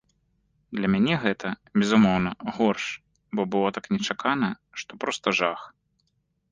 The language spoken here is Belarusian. Для мяне гэта, безумоўна, горш, бо было так нечакана, што проста жах.